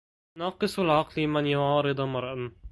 ناقص العقل من يعارض مرءا